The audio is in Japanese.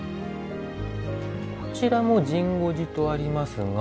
こちらも神護寺とありますが。